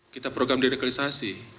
kita program diradikalisasi